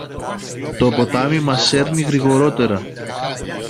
Το ποτάμι μας σέρνει γρηγορώτερα.